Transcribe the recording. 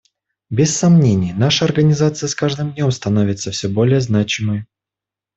Без сомнений, наша Организация с каждым днем становится все более значимой.